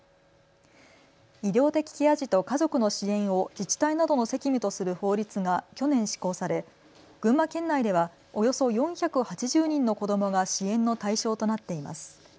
医療的ケア児と家族の支援を自治体などの責務とする法律が去年、施行され群馬県内ではおよそ４８０人の子どもが支援の対象となっています。